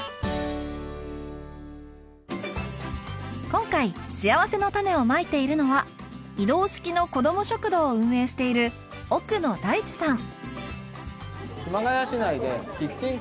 今回しあわせのたねをまいているのは移動式の子ども食堂を運営している奥野大地さん